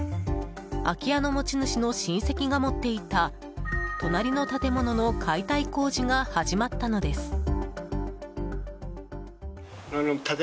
空き家の持ち主の親戚が持っていた隣の建物の解体工事が始まったのです。